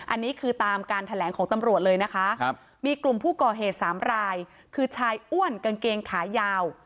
อันนี้คือตามการแถลงของตำรวจเลยนะคะมีกลุ่มผู้ก่อเหตุสามรายคือชายอ้วนกางเกงขายาว